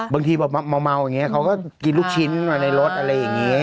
บางทีแบบเมาอย่างนี้เขาก็กินลูกชิ้นมาในรถอะไรอย่างนี้